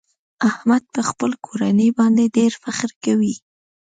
احمد په خپله کورنۍ باندې ډېر فخر کوي.